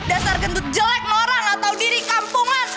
dasar gendut jelek loan atau diri kampungan